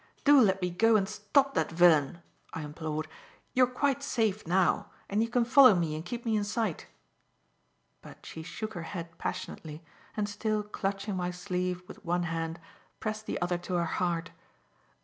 "Do let me go and stop that villain!" I implored. "You're quite safe now, and you can follow me and keep me in sight." But she shook her head passionately, and, still clutching my sleeve with one hand, pressed the other to her heart.